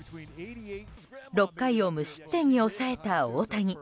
６回を無失点に抑えた大谷。